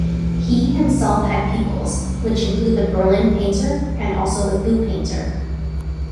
He himself had pupils, which include the Berlin Painter and also the Boot Painter.